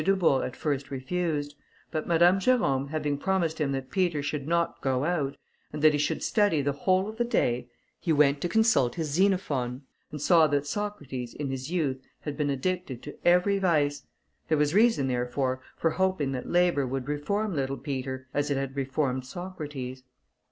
Dubourg at first refused; but Madame Jerôme having promised him that Peter should not go out, and that he should study the whole of the day, he went to consult his Xenophon, and saw that Socrates in his youth had been addicted to every vice; there was reason therefore, for hoping that labour would reform little Peter, as it had reformed Socrates.